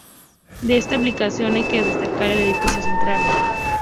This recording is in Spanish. De esta ampliación hay que destacar el edificio central.